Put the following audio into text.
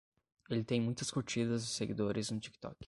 Ele tem muitas curtidas e seguidores no TikTok